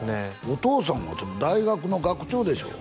お父さんは大学の学長でしょ？